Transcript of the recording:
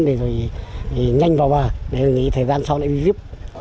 để rồi nhanh vào bờ để nghỉ thời gian sau lại đi viếp